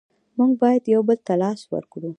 موږ باید یو بل ته لاس ورکړو.